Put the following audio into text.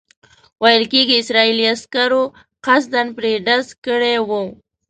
ویل کېږي اسرائیلي عسکرو قصداً پرې ډز کړی وو.